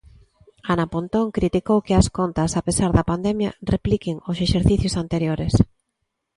Ana Pontón criticou que as contas, a pesar da pandemia, "repliquen" os exercicios anteriores.